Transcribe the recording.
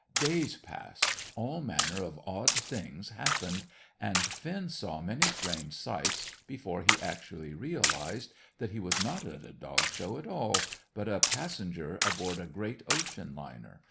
Days passed, all manner of odd things happened, and Finn saw many strange sights before he actually realized that he was not at a Dog Show at all, but a passenger aboard a great ocean liner.